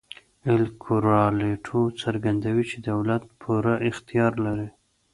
اېل کورالیټو څرګندوي چې دولت پوره اختیار لري.